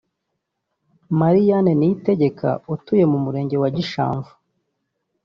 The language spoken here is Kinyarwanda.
Mariane Niyitegeka utuye mu murenge wa Gishamvu